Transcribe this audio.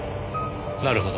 なるほど。